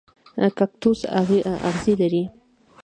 کاکتوس اغزي لري